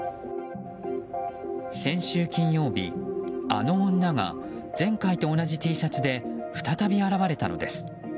先週金曜日、あの女が前回と同じＴシャツで再び現れたのです。